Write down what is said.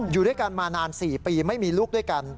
อยู่ด้วยกันมานาน๔ปีไม่มีลูกด้วยกัน